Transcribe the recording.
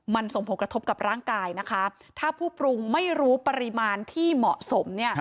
มันส่งผลกระทบกับร่างกายนะคะถ้าผู้ปรุงไม่รู้ปริมาณที่เหมาะสมเนี่ย